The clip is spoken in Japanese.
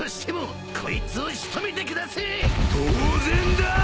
当然だー！